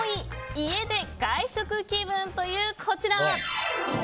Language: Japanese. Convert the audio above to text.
家で外食気分というこちら。